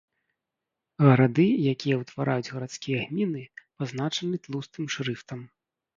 Гарады, якія ўтвараюць гарадскія гміны, пазначаны тлустым шрыфтам.